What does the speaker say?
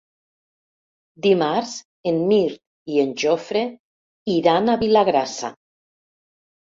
Dimarts en Mirt i en Jofre iran a Vilagrassa.